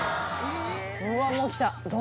うわもう来た！